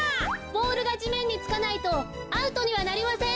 ボールがじめんにつかないとアウトにはなりません。